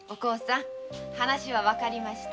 話はわかりました。